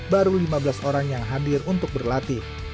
baru lima belas orang yang hadir untuk berlatih